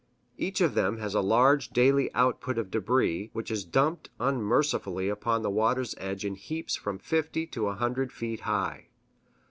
Each of them has a large daily output of debris, which is dumped unmercifully upon the water's edge in heaps from fifty to a hundred feet high.